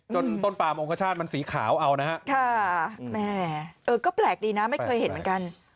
ต้นปามองคชาติมันสีขาวเอานะฮะค่ะแม่เออก็แปลกดีนะไม่เคยเห็นเหมือนกัน